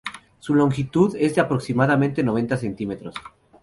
Su longitud es de aproximadamente noventa centímetros.